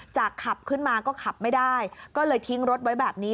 ขับขึ้นมาก็ขับไม่ได้ก็เลยทิ้งรถไว้แบบนี้